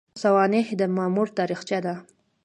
سوانح د مامور تاریخچه ده